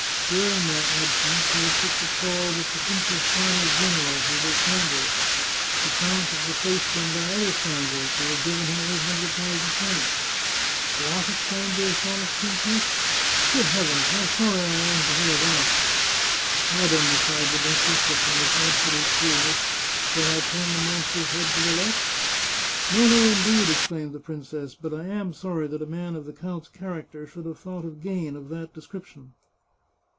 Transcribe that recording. During my absence he has picked a quarrel with the prince's farmers general, who were scoundrels. The count has re placed them by other scoundrels, whohav^ g^yen him eight hundred thousand francs." " What !" exclain^ed , the . astonjished iprincess. " GqO(d heavens, how sorry. I ana.tO; hear,4:hatl''' " Madam," replied the duchess,, with the most absolute CQolness, " shall I turn the monster's head to the left? " "•N9,,no,.,in4e,e.dL" exclaimed the princess; "but I am 443^ The Chartreuse of Parma sorry that a man of the count's character should have thought of gain of that description."